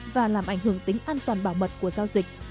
và làm ảnh hưởng tính an toàn bảo mật của giao dịch